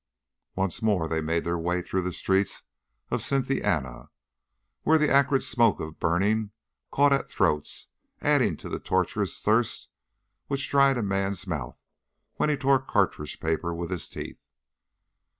Once more they made their way through the streets of Cynthiana, where the acrid smoke of burning caught at throats, adding to the torturous thirst which dried a man's mouth when he tore cartridge paper with his teeth.